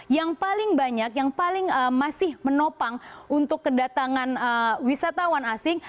yang paling banyak yang paling masih menopang untuk kedatangan wisatawan asing